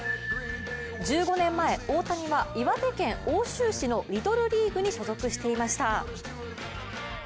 １５年前、大谷は岩手県奥州市のリトルリーグに所属していました。